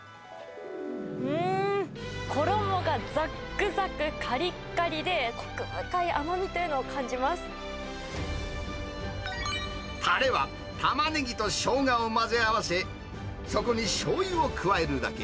うーん、衣がざっくざく、かりっかりで、たれはタマネギとショウガを混ぜ合わせ、そこにしょうゆを加えるだけ。